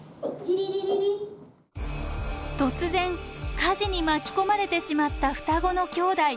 突然火事に巻き込まれてしまった双子のきょうだい。